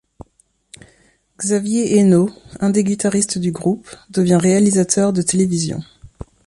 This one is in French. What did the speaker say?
Xavier Esnault, un des guitaristes du groupe, devient réalisateur de télévision.